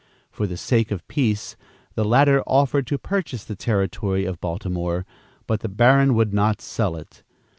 For the sake of peace, the latter offered to purchase the territory of Baltimore; but the baron would not sell it.